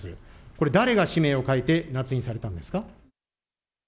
これ、誰が氏名を書いてなつ印されたんですか。